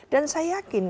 dan saya yakin